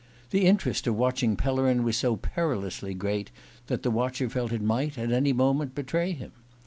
The interest of watching Pellerin was so perilously great that the watcher felt it might, at any moment, betray him.